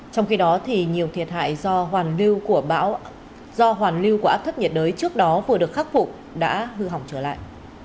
trong khi đó thì nhiều thiệt hại do hoàn lưu của áp thất nhiệt đới trước đó vừa được khắc phục đã hư hỏng trở lại